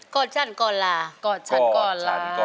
กอดฉันก่อนล่ะ